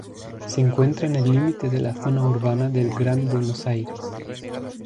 Se encuentra en el límite de la zona urbana del Gran Buenos Aires.